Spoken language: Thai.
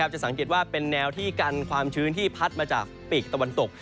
จะสังเกตว่าเป็นแนวที่กันความชื้นที่พัดมาจากปีกตะวันตก